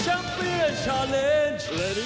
ซุปเปอร์ฮีโร่๑๐๐๐๐บาทแล้วก็ดับเบิ้ลซุปเปอร์ฮีโร่๒๐๐๐๐บาท